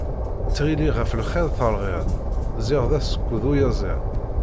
Ttɣilliɣ ɣef lxir terɣiḍ, ziɣ d asekkud uyaziḍ.